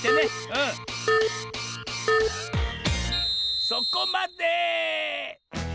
うんそこまで！